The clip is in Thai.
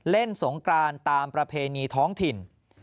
สงกรานตามประเพณีท้องถิ่น